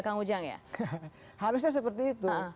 kang ujang ya harusnya seperti itu